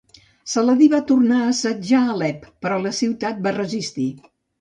Saladí va tornar a assetjar Alep però la ciutat va resistir.